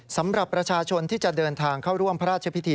สำหรับประชาชนที่จะเดินทางเข้าร่วมพระราชพิธี